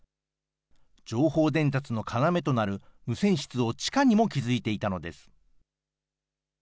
情報伝達の要となる無線室を地下にも築いていたのです。